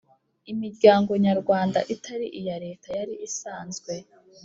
imiryango nyarwanda itari iya Leta yari isanzwe